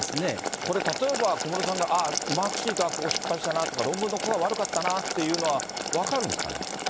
これ、例えば、小室さんがああ、マークシートはここが失敗したなとか、論文のここが悪かったなっていうのは分かるんですかね。